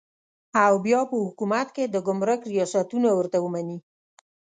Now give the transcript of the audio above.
او بیا په حکومت کې د ګمرک ریاستونه ورته ومني.